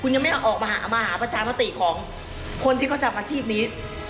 คุณยังไม่มาน์ออกมาหาปัชภาพมติของคนที่กระจำอาชีพนี้